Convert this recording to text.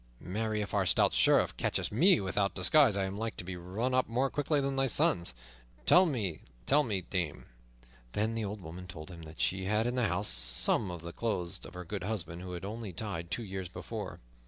Marry, if our stout Sheriff catcheth me without disguise, I am like to be run up more quickly than thy sons, let me tell thee, dame." Then the old woman told him that she had in the house some of the clothes of her good husband, who had died only two years before.